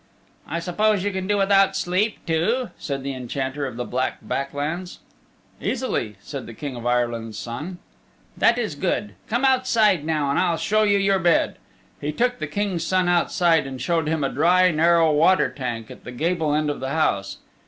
"I suppose you can do without sleep too?" said the Enchanter of the Black Back Lands. "Easily," said the King of Ireland's Son. "That is good. Come outside now, and I'll show you your bed." He took the King's Son outside and showed him a dry narrow water tank at the gable end of the house.